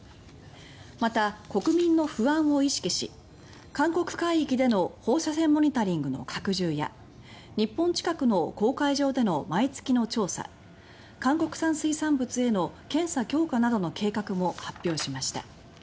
また、国民の不安を意識し韓国海域での放射線モニタリングの拡充や日本近くの公海上での毎月の調査国産水産物への検査強化などの計画も発表しました。